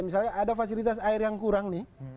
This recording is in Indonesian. misalnya ada fasilitas air yang kurang nih